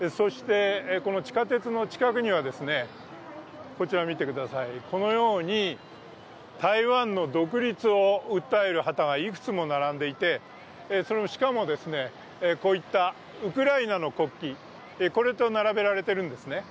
この地下鉄の近くには、こちらを見てください、このように台湾の独立を訴える旗がいくつも並んでいて、しかも、こういったウクライナの国旗、これと並べられているんですね。